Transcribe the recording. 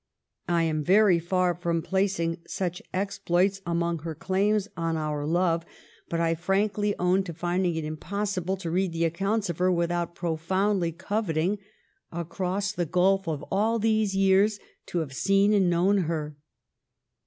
I am very far from placing such exploits among her claims on our 404 THE STORY OF GLADSTONE'S LIFE love. But I frankly own to finding it impossible to read the accounts of her without profoundly coveting, across the gulf of all these years, to have seen and known her.